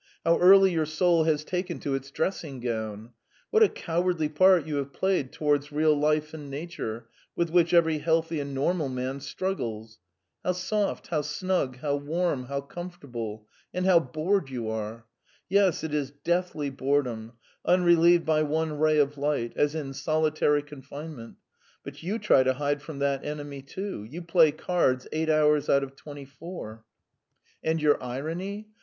How early your soul has taken to its dressing gown! What a cowardly part you have played towards real life and nature, with which every healthy and normal man struggles! How soft, how snug, how warm, how comfortable and how bored you are! Yes, it is deathly boredom, unrelieved by one ray of light, as in solitary confinement; but you try to hide from that enemy, too, you play cards eight hours out of twenty four. "And your irony?